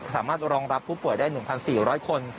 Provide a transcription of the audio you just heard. สามารถรองรับผู้ป่วยได้๑๔๐๐คน